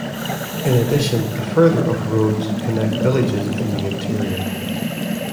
In addition a further of roads connect villages in the interior.